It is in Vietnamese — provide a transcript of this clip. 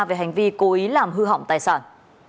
về hành vi cố ý làm hư hỏng tài sản